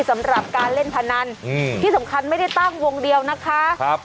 สำหรับการเล่นพนันอืมที่สำคัญไม่ได้ตั้งวงเดียวนะคะครับ